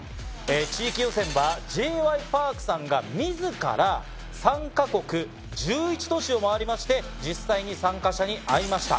地域予選はＪ．Ｙ．Ｐａｒｋさんが自ら３か国１１都市を回りまして実際に参加者に会いました。